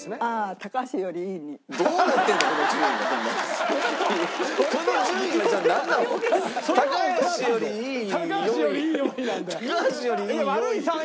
高橋よりいい４位？